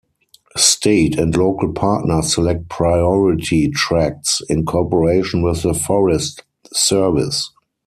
State and local partners select priority tracts in cooperation with the Forest Service.